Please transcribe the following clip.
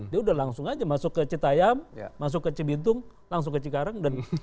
dia udah langsung aja masuk ke citayam masuk ke cibitung langsung ke cikarang